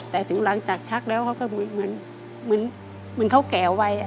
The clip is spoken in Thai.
แต่ถึงหลังจากชักแล้วเขาก็เหมือนเขาแก่ไว้